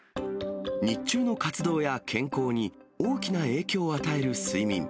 日中の活動や健康に大きな影響を与える睡眠。